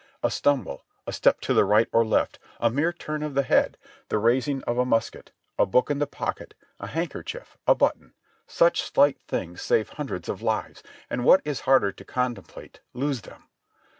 A stumble, a step to the right or left, a mere turn of the head, the raising of a musket, a book in the pocket, a handkerchief, a button, such slight things save hundreds of lives, and what is harder to contemplate, lose them.